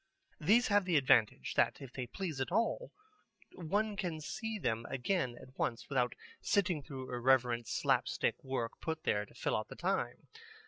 These have the advantage that if they please at all, one can see them again at once without sitting through irrelevant slapstick work put there to fill out the time.